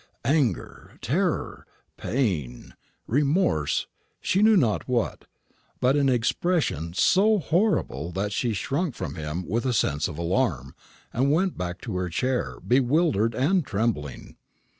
Anger, terror, pain, remorse, she knew not what, but an expression so horrible that she shrunk from him with a sense of alarm, and went back to her chair, bewildered and trembling.